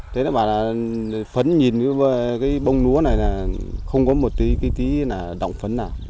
thế là bà là phấn nhìn cái bông lúa này là không có một tí cái tí là đọng phấn nào